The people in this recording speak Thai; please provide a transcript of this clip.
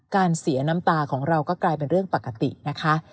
เสียน้ำตาของเราก็กลายเป็นเรื่องปกตินะคะ